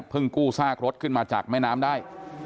เพิ่งกู้ซากรถขึ้นมาจากไหม้น้ำได้